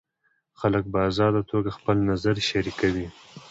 خلک په ازاده توګه خپل نظر شریکوي.